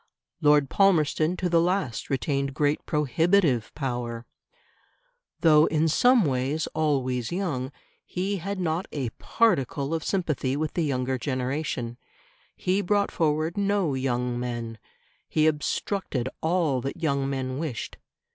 Lord Palmerston to the last retained great prohibitive power. Though in some ways always young, he had not a particle of sympathy with the younger generation; he brought forward no young men; he obstructed all that young men wished.